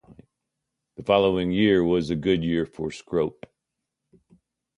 The following year was a good year for Scrope.